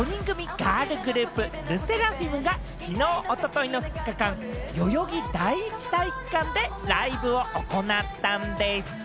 ガールズグループ・ＬＥＳＳＥＲＡＦＩＭがきのう・おとといの２日間、代々木第一体育館でライブを行ったんでぃす。